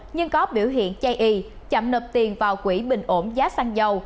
nhưng có biểu hiện chay y chậm nộp tiền vào quỹ bình ổn giá xăng dầu